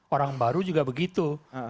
orang baru juga begitu